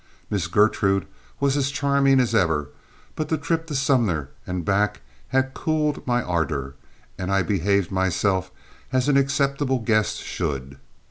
Miss Gertrude was as charming as ever, but the trip to Sumner and back had cooled my ardor and I behaved myself as an acceptable guest should.